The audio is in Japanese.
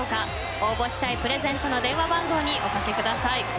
応募したいプレゼントの電話番号におかけください。